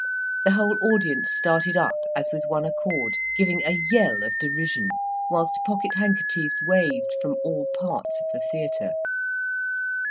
The whole audience started up as if with one accord, giving a yell of derision, whilst pocket handkerchiefs waved from all parts of the theatre.